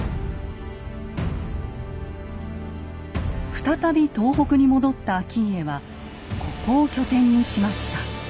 再び東北に戻った顕家はここを拠点にしました。